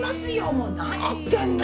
もう何言ってんの？